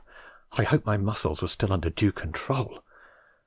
I hope my muscles were still under due control.